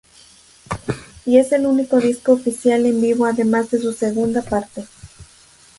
Y es el único disco oficial en vivo además de su segunda parte.